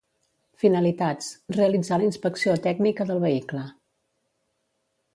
Finalitats: realitzar la inspecció tècnica del vehicle